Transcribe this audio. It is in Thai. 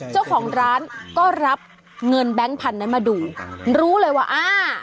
เจ้าของร้านก็รับเงินแบงค์พันธุ์นั้นมาดูรู้เลยว่าอ่า